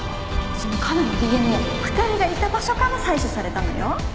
その亀のＤＮＡ２人がいた場所から採取されたのよ。